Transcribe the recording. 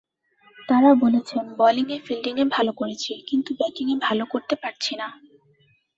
তারা বলেছেন, বোলিংয়ে-ফিল্ডিংয়ে ভালো করেছি কিন্তু ব্যাটিংয়ে ভালো করতে পারছি না।